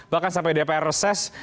bahkan sampai dpr reses